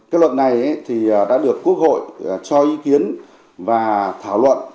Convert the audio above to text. cái luật này thì đã được quốc hội cho ý kiến và thảo luận